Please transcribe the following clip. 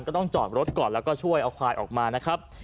ก็ต้องจอดรถก่อนแล้วก็ช่วยเอาควายออกมานะครับ